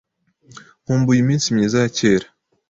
Nkumbuye iminsi myiza ya kera.